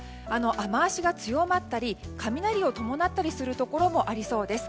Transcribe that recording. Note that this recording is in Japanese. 雨脚が強まったり雷を伴ったりするところもありそうです。